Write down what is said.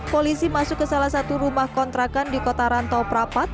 polisi masuk ke salah satu rumah kontrakan di kota rantau prapat